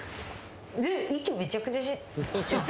息めちゃくちゃ。